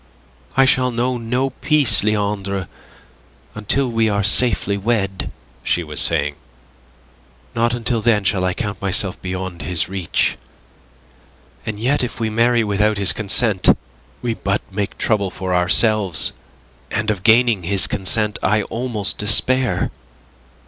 "I shall know no peace, Leandre, until we are safely wedded," she was saying. "Not until then shall I count myself beyond his reach. And yet if we marry without his consent, we but make trouble for ourselves, and of gaining his consent I almost despair."